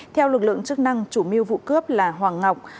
theo lực lượng chức năng chủ mưu vụ cướp là hoàng ngọc